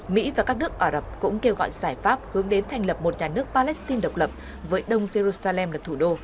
mỹ và các nước ả rập cũng kêu gọi giải pháp hướng đến thành lập một nhà nước palestine độc lập với đông jerusalem là thủ đô